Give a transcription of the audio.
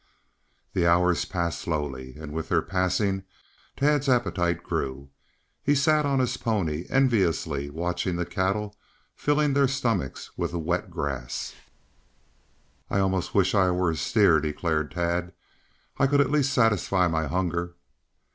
The hours passed slowly, and with their passing Tad's appetite grew. He sat on his pony, enviously watching the cattle filling their stomachs with the wet grass. "I almost wish I were a steer," declared Tad. "I could at least satisfy my hunger."